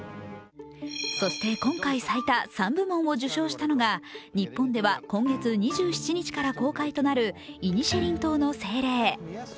そして今回最多３部門を受賞したのが日本では今月２７日から公開となる「イニシェリン島の精霊」。